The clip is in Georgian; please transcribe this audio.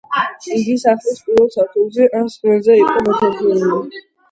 იგი სახლის პირველ სართულზე ან სხვენზე იყო მოთავსებული.